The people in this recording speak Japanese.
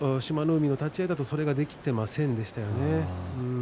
海の立ち合いだとそれができていませんでしたね。